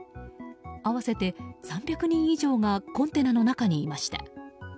合わせて３００人以上がコンテナの中にいました。